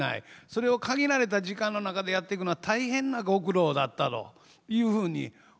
それを限られた時間の中でやっていくのは大変なご苦労だったろうというふうに思います。